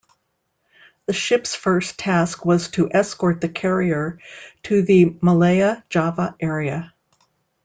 The ships' first task was to escort the carrier to the Malaya-Java area.